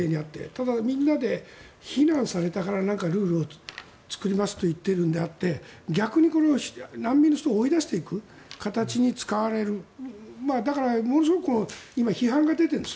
ただ、みんなで非難されたからルールを作りますと言っているのであって逆に難民を追い出していく形に使われるだからものすごく今、批判が出ているんです。